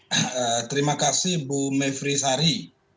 terima kasih bu mevri sari